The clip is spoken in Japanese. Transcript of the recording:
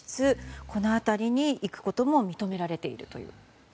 この辺りに行くことも認められているという。